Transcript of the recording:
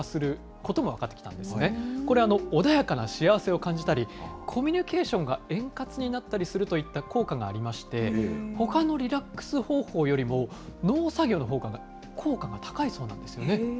これ、穏やかな幸せを感じたり、コミュニケーションが円滑になったりするといった効果がありまして、ほかのリラックス方法よりも農作業のほうが効果が高いそうなんですよね。